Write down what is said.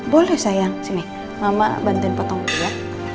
boleh sayang sini mama bantuin potongku ya